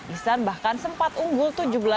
ihsan bahkan sempat unggul tujuh belas lima belas